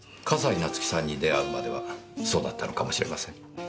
笠井夏生さんに出会うまではそうだったのかもしれません。